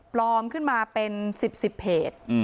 ปลอมขึ้นมาเป็น๑๐๑๐เพจ